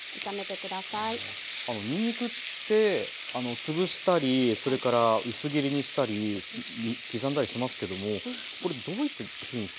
あのにんにくって潰したりそれから薄切りにしたり刻んだりしますけどもこれどういうふうに使い分けたらいいんですか？